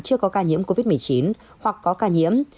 chưa có ca nhiễm covid một mươi chín hoặc có ca nhiễm